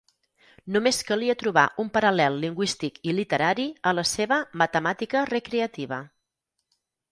Només calia trobar un paral·lel lingüístic i literari a la seva "matemàtica recreativa".